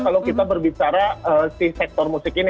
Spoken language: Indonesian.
kalau kita berbicara si sektor musik ini